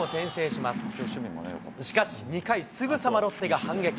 しかし２回、すぐさまロッテが反撃。